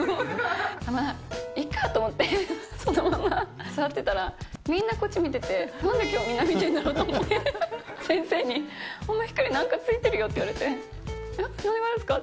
まぁ、いいかと思って、そのまま座ってたら、みんなこっち見てて、なんできょうみんな見てるんだろうと思って、先生に、お前、ひかり、なんかついてるよって言われて、何がですか？